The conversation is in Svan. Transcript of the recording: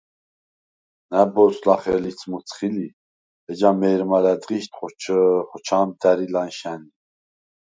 ნა̈ბოზს ლახე ლიც მჷცხი ლი, ეჯა მე̄რმა ლა̈დღიშდ ხოჩა̄მ და̈რი ლა̈ნშა̈ნ ლი.